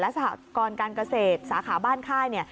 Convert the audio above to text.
และสถานกรการเกษตรสาขาบ้านค่าย